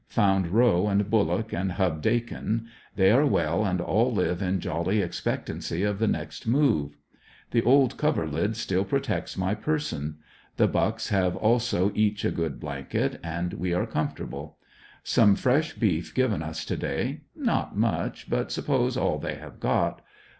Found Rowe and Buliock, and Hub Dakin. They are well, and all live in jolly expectancy of the next move. The old coverlid still protects my person. The Bucks have also each a good blanket, and we are comfortable. Some fresh beef given us to day; not much, ^but suppose all they have got.